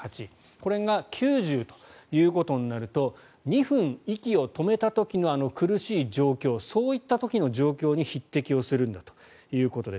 これが９０となると２分息を止めた時のあの苦しい状況そういった時の状況に匹敵するんだということです。